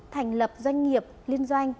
thành lập doanh nghiệp liên doanh